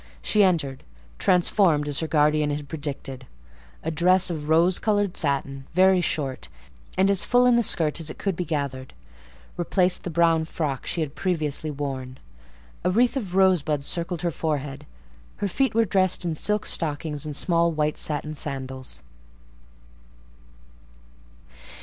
She entered, transformed as her guardian had predicted. A dress of rose coloured satin, very short, and as full in the skirt as it could be gathered, replaced the brown frock she had previously worn; a wreath of rosebuds circled her forehead; her feet were dressed in silk stockings and small white satin sandals.